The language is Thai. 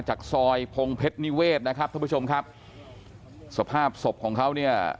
จากซอยพงเพชรนิเวศนะครับท่านผู้ชมครับสภาพศพของเขาเนี่ย